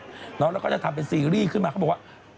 แล้วก็จะทำเป็นซีรีส์ขึ้นมาเขาบอกว่า